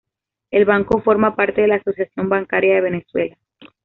El Banco forma parte de la Asociación Bancaria de Venezuela.